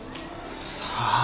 さあ。